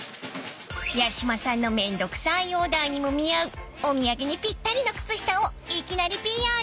［八嶋さんのめんどくさいオーダーにも見合うお土産にぴったりの靴下を］